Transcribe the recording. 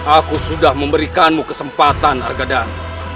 aku sudah memberikanmu kesempatan argadan